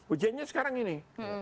ujianya sekarang ini